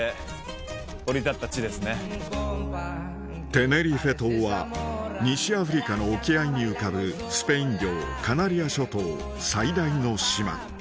テネリフェ島は西アフリカの沖合に浮かぶスペイン領カナリア諸島最大の島